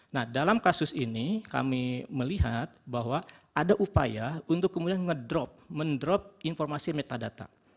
nah dalam kasus ini kami melihat bahwa ada upaya untuk kemudian ngedrop mendrop informasi metadata